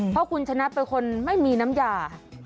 เพราะคุณชนะเป็นคนไม่มีน้ำยา